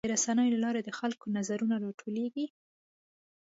د رسنیو له لارې د خلکو نظرونه راټولیږي.